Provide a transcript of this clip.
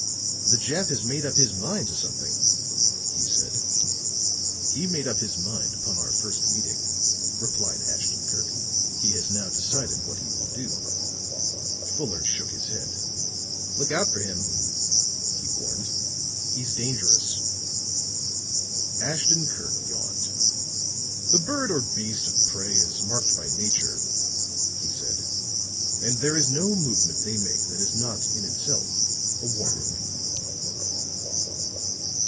"The Jap has made up his mind to something," he said. "He made up his mind upon our first meeting," replied Ashton Kirk. "He has now decided what he will do." Fuller shook his head. "Look out for him," he warned. "He's dangerous." Ashton Kirk yawned. "The bird or beast of prey is marked by nature," he said. "And there is no movement they make that is not in itself a warning."